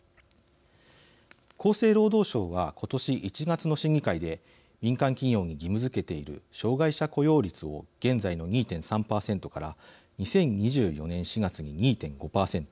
厚生労働省は今年１月の審議会で民間企業に義務づけている障害者雇用率を現在の２．３％から２０２４年４月に２．５％